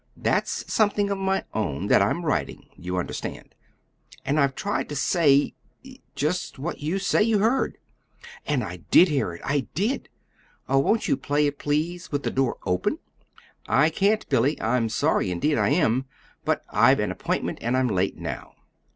That's something of my own that I'm writing, you understand; and I've tried to say just what you say you heard." "And I did hear it I did! Oh, won't you play it, please, with the door open?" "I can't, Billy. I'm sorry, indeed I am. But I've an appointment, and I'm late now.